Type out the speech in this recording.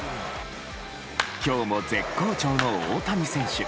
今日も絶好調の大谷選手。